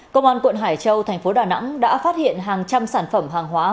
công an quận hải châu thành phố đà nẵng đã phát hiện hàng trăm sản phẩm hàng hóa